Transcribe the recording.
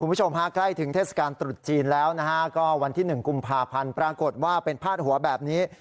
คุณผู้ชมฮะใกล้ถึงเทศกาลตรุษจีนแล้วนะฮะก็วันที่๑กุมภาพันธ์ปรากฏว่าเป็นพาดหัวแบบนี้